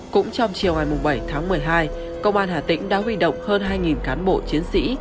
cũng trong chiều ngày bảy tháng một mươi hai công an hà tĩnh đã huy động hơn hai cán bộ chiến sĩ